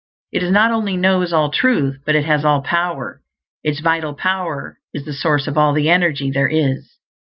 It not only knows all truth, but it has all power; its vital power is the source of all the energy there is.